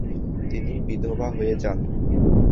তিনি বিধবা হয়ে যান।